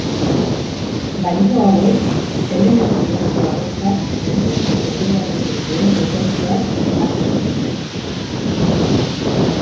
Balio hauek elementu-multzo bakoitzak elementu-kopuruarekin duen proportzioak ematen dituzte.